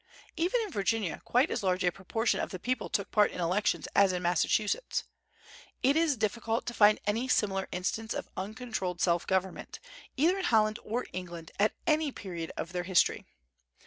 Even in Virginia quite as large a proportion of the people took part in elections as in Massachusetts. It is difficult to find any similar instance of uncontrolled self government, either in Holland or England at any period of their history.